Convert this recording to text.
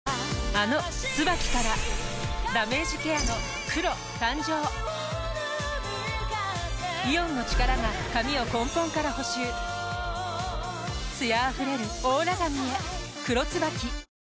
あの「ＴＳＵＢＡＫＩ」からダメージケアの黒誕生イオンの力が髪を根本から補修艶あふれるオーラ髪へ「黒ＴＳＵＢＡＫＩ」